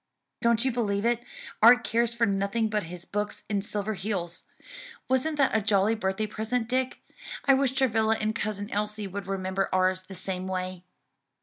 "Don't you believe it, Art cares for nothing but his books and Silverheels. Wasn't that a jolly birthday present, Dick? I wish Travilla and Cousin Elsie would remember ours the same way."